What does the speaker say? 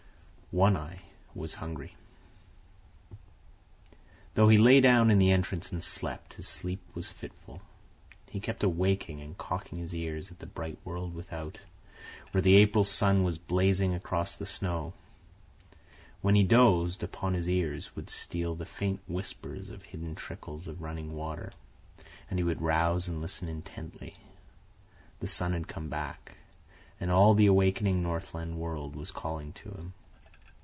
One Eye was hungry. Though he lay down in the entrance and slept, his sleep was fitful. He kept awaking and cocking his ears at the bright world without, where the April sun was blazing across the snow. When he dozed, upon his ears would steal the faint whispers of hidden trickles of running water, and he would rouse and listen intently. The sun had come back, and all the awakening Northland world was calling to him.